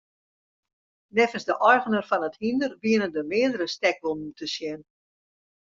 Neffens de eigener fan it hynder wiene der meardere stekwûnen te sjen.